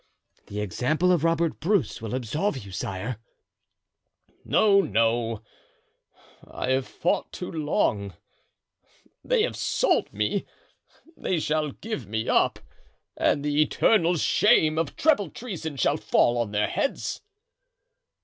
"The example of Robert Bruce will absolve you, sire." "No, no! I have fought too long; they have sold me, they shall give me up, and the eternal shame of treble treason shall fall on their heads."